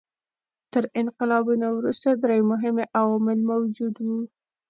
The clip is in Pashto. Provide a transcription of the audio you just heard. تر انقلابونو وروسته درې مهم عوامل موجود وو.